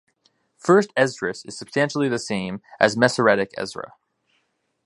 First Esdras is substantially the same as Masoretic Ezra.